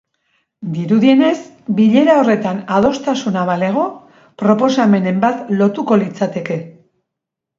Dirudienez, bilera horretan adostasuna balego, proposamenen bat lotuko litzateke.